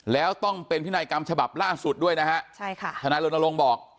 แล้วต้องเป็นพินัยกรรมฉบับล่าสุดด้วยนะฮะใช่ค่ะทนายรณรงค์บอก